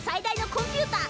コンピューター？